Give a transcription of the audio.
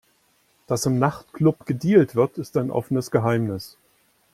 Dass im Nachtclub gedealt wird, ist ein offenes Geheimnis.